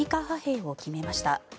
派兵を決めました。